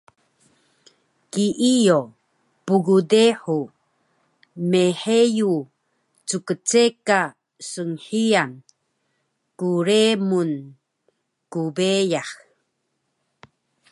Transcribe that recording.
Kiiyo, pgdehu mheyu ckceka snhiyan, kremun, kbeyax